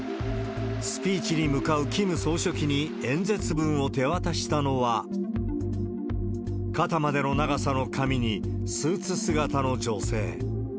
スピーチに向かうキム総書記に演説文を手渡したのは、肩までの長さの髪に、スーツ姿の女性。